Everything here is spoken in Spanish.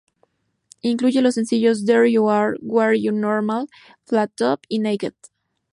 Incluye los sencillos: There You Are, We Are The Normal, Flat Top y Naked.